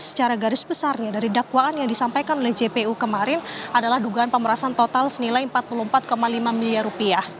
secara garis besarnya dari dakwaan yang disampaikan oleh jpu kemarin adalah dugaan pemerasan total senilai empat puluh empat lima miliar rupiah